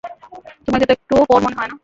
তোমাকে তো একটুও পর মনে হয় না।